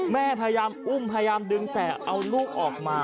แม่พยายามอุ้มพยายามดึงแต่เอาลูกออกมา